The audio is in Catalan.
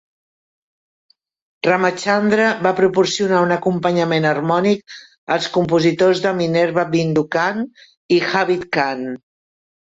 Ramachandra va proporcionar un acompanyament harmònic als compositors de Minerva Bindu Khan i Habib Khan.